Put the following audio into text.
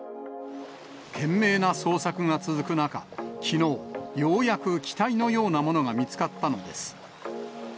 懸命な捜索が続く中、きのう、ようやく機体のようなものが見つかったのです。